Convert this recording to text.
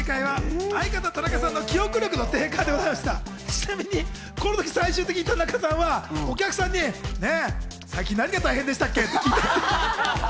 ちなみにこのとき、最終的に田中さんはお客さんに、最近、何が大変でしたっけ？